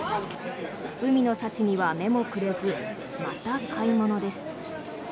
海の幸には目もくれずまた買い物です。